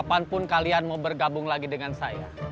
kapanpun kalian mau bergabung lagi dengan saya